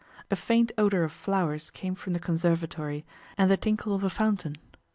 A faint odour of flowers came from the conservatory, and the tinkle of a fountain.